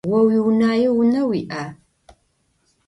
О уиунаеу унэ уиӏа?